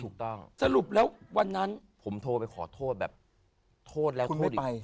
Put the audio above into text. ถูกต้องสรุปแล้ววันนั้นผมโทรไปขอโทษแบบโทษแล้วโทษไป